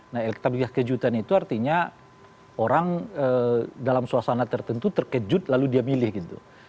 nah elektabilitas kejutan itu artinya orang dalam suasana tertentu terkejut lalu dia milih gitu